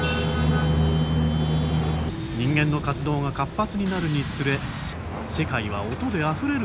ニンゲンの活動が活発になるにつれ世界は音であふれるように。